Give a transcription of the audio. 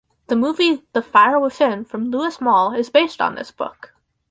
The movie "The Fire Within" from Louis Malle is based on this book.